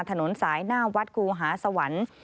ถนนสายหน้าวัดครูหาสวรรค์